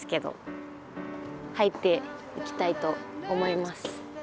入っていきたいと思います。